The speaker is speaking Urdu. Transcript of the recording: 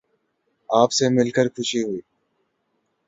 آپ سے مل کر خوشی ہوئی